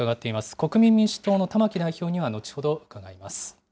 国民民主党の玉木代表には、後ほど伺います。